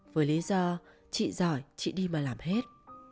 với lý do chị giỏi chị đi mà làm hết